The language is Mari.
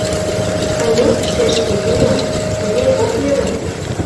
— Кынел, шешке, кынел, тыге ок йӧрӧ.